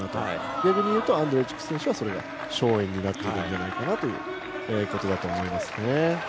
逆に言うとアンドレイチク選手はそれが勝因になっているんじゃないかなと思いますね。